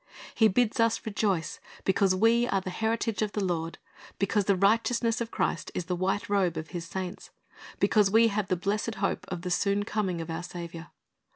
He bids us rejoice because we are the heritage of the Lord, because the righteousness of Christ is the white robe of His saints, because we have the blessed hope of the soon coming of our Saviour.